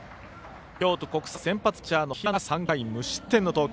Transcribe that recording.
京都国際先発ピッチャーの平野が３回無失点の投球。